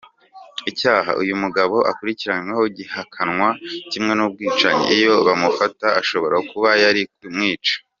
Icyaha uyu mugabo akurikiranyweho gihanwa kimwe n’ubwicanyi, iyo batamufata ashobora kuba yari kumwica.